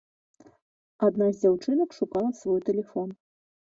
Адна з дзяўчынак шукала свой тэлефон.